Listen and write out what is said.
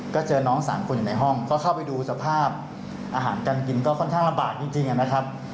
ก็เจอน้องสามคนอยู่ในห้องก็เข้าไปดูสภาพอาหารการกินก็ค่อนข้างลำบากจริงนะครับ